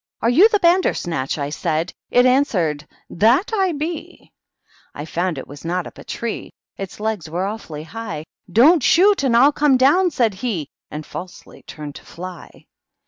* Are you the Bandersnatch T I said. It answeredy ^ That I be P I found it was not up a tree, — Its legs were awfully high. * DonH shooty and III eome d(ywn^ said he^ And falsely turned to fly.